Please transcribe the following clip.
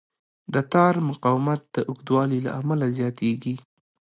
د تار مقاومت د اوږدوالي له امله زیاتېږي.